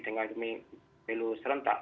dengan milu serentak